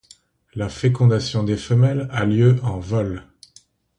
La fécondation des femelles a lieu en vol.